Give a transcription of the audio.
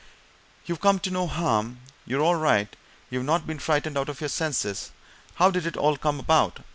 "You've come to no harm? you're all right? you've not been frightened out of your senses? how did it all come about?"